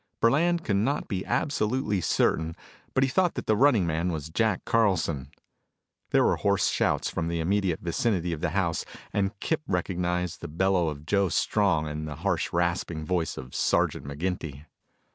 Burland could not be absolutely certain, but he thought that the running man was Jack Carlson. There were hoarse shouts from the immediate vicinity of the house, and Kip recognized the bellow of Joe Strong and the harsh rasping voice of Sergeant McGinty.